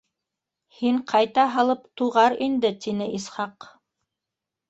Һин ҡайта һалып туғар инде, — тине Исхаҡ.